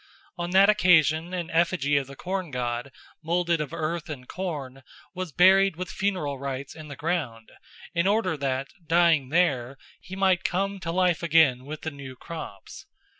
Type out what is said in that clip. On that occasion an effigy of the corn god, moulded of earth and corn, was buried with funeral rites in the ground in order that, dying there, he might come to life again with the new crops.